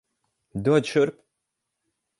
Dod šurp!